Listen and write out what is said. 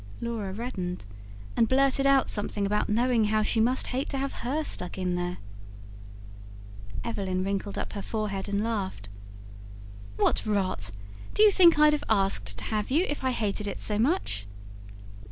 Laura reddened, and blurted out something about knowing how she must hate to have HER stuck in there. Evelyn wrinkled up her forehead and laughed. "What rot! Do you think I'd have asked to have you, if I hated it so much?"